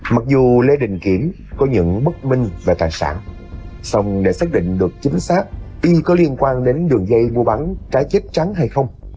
mặc dù lê đình kiểm có những bất minh về tài sản xong để xác định được chính xác y có liên quan đến đường dây mua bán trái chết trắng hay không